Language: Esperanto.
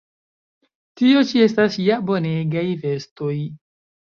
Tio ĉi estas ja bonegaj vestoj!